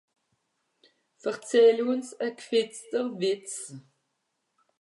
verzähle ùns à gwìzter wìtz